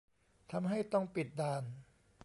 ทำให้ต้องปิดด่าน